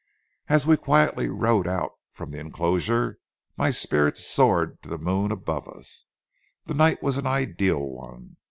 As we quietly rode out from the inclosure, my spirits soared to the moon above us. The night was an ideal one.